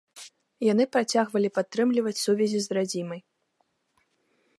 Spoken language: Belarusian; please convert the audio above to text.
Яны працягвалі падтрымліваць сувязі з радзімай.